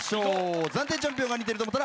暫定チャンピオンが似てると思ったら赤。